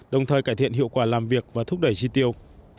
đồng thời cải thiện hiệu quả làm việc và thúc đẩy chi tiêu